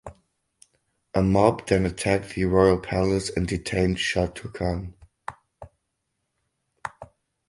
A mob then attacked the royal palace and detained Shah Turkan.